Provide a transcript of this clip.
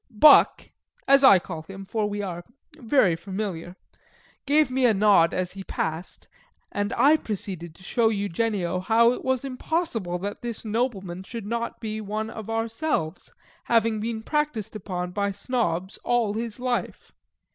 Buck (as I call him, for we are very familiar) gave me a nod as he passed, and I proceeded to show Eugenio how it was impossible that this nobleman should not be one of ourselves, having been practised upon by Snobs all his life.